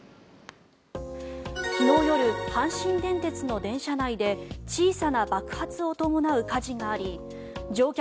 昨日夜、阪神電鉄の電車内で小さな爆発を伴う火事があり乗客